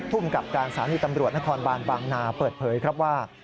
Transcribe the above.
ภูมิกับการสถานีตำรวจนครบานบางนาเปิดเผยครับว่า